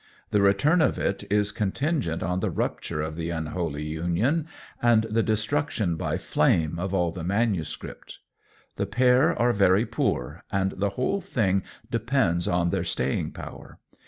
The return of it is contingent on the rupture of the unholy union and the de struction by flame of all the manuscript. The pair are very poor, and the whole thing depends on their staying power.